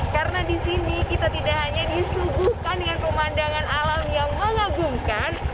karena di sini kita tidak hanya disuguhkan dengan pemandangan alam yang mengagumkan